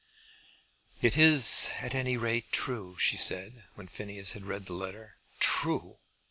"It is at any rate true," she said, when Phineas had read the letter. "True!